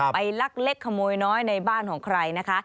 ลักเล็กขโมยน้อยในบ้านของใครนะคะ